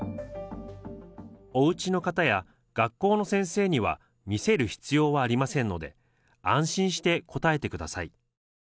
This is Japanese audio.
おうちの方や学校の先生には見せる必要はありませんので、安心して答えてください。